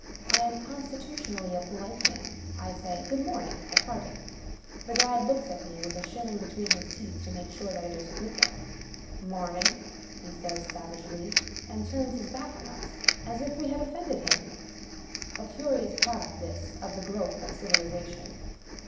I am constitutionally a polite man. I say " Good morning " at parting. The guide looks at me with the shilling be tween his teeth to make sure that it is a good one. " Mam in !" he says savagely — ^and turns his back on us, as if we had offended him. A curious product, this, of the growth of civilization.